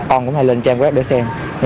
con cũng hay lên trang web để xem